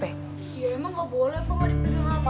ya emang gak boleh fong gak boleh pegang hp